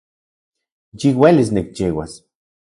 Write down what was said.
Yiuelis nikchiuas